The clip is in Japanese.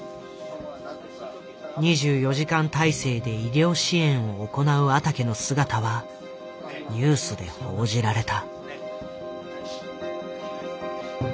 ２４時間態勢で医療支援を行う阿竹の姿はニュースで報じられた。